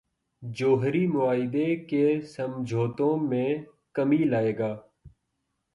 جوہری معاہدے کے سمجھوتوں میں کمی لائے گا۔